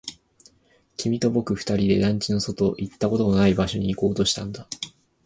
君と僕二人で団地の外、行ったことのない場所に行こうとしたんだ